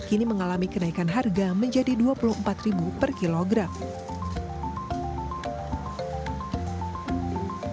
kini mengalami kenaikan harga menjadi rp dua puluh empat per kilogram